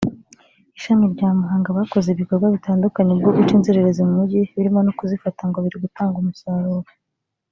Ishami rya Muhanga bakoze ibikorwa bitandukanye bwo guca inzererezi mu Mujyi birimo no kuzifata ngo biri gutanga umusaruro